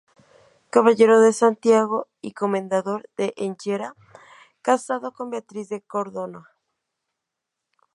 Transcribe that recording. Caballero de Santiago y Comendador de Enguera, casado con Beatriz de Cardona.